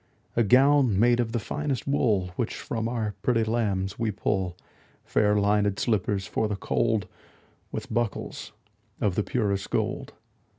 A gown made of the finest wool Which from our pretty lambs we pull; Fair linèd slippers for the cold, 15 With buckles of the purest gold.